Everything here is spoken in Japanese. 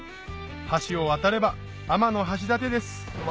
橋を渡れば天橋立です